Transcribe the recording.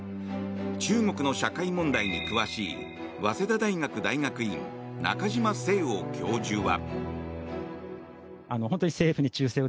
中国の社会問題に詳しい早稲田大学大学院中嶋聖雄教授は。